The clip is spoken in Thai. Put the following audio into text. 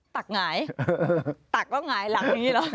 ตักหงายตักแล้วหงายหลังนี้หรอ